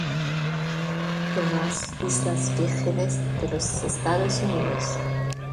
Thomas, Islas Vírgenes de los Estados Unidos.